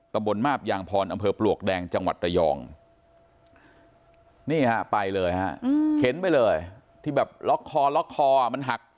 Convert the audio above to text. ตำบลมาบยางพรอำเภอปลวกแดงจังหวัดระยองนี่ฮะไปเลยฮะเข็นไปเลยที่แบบล็อกคอล็อกคอมันหัก